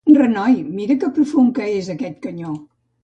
Renoi, mira que profund que és aquest canyó!